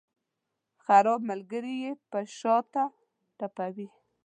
خراب ملګري یې په شاته ټپوي.